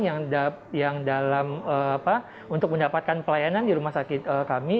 yang dalam untuk mendapatkan pelayanan di rumah sakit kami